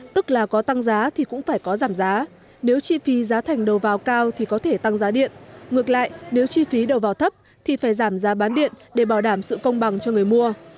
tức là có tăng giá thì cũng phải có giảm giá nếu chi phí giá thành đầu vào cao thì có thể tăng giá điện ngược lại nếu chi phí đầu vào thấp thì phải giảm giá bán điện để bảo đảm sự công bằng cho người mua